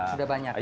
sudah banyak ya